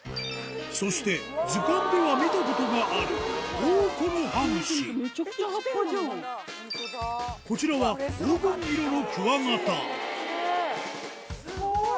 そして図鑑では見たことがあるこちらは黄金色のクワガタスゴい！